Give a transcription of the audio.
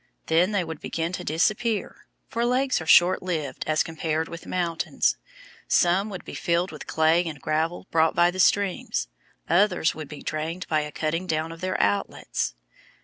Then they would begin to disappear, for lakes are short lived as compared with mountains. Some would be filled with clay and gravel brought by the streams. Others would be drained by a cutting down of their outlets.